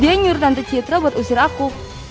dia nyuruh nanti citra buat usir aku